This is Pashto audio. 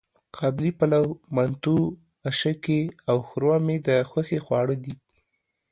قابلي پلو، منتو، آشکې او ښوروا مې د خوښې خواړه دي.